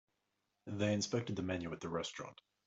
They inspected the menu at the restaurant.